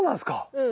うん。